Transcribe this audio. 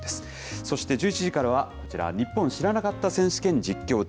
そして１１時からは、こちら、ニッポン知らなかった選手権実況中！